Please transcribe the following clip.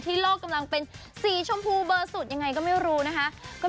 ไม่รู้ว่าจะแซวด้วยประโยคไหนที่อื้อม่จ้ะ